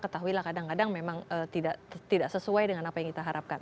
ketahuilah kadang kadang memang tidak sesuai dengan apa yang kita harapkan